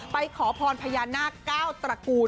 ไปขอพอนพญานาคเก้าตระกูล